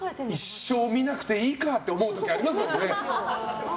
一生見なくていいかって思う時ありますよね。